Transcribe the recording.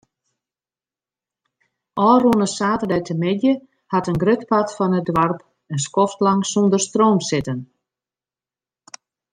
Ofrûne saterdeitemiddei hat in grut part fan it doarp in skoftlang sûnder stroom sitten.